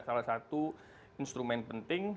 salah satu instrumen penting